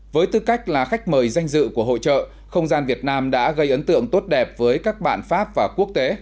với tư cách là khách mời danh dự của hội trợ không gian việt nam đã gây ấn tượng tốt đẹp với các bạn pháp và quốc tế